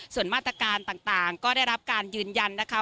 ส่วนมาตรการต่างก็ได้รับการยืนยันนะคะ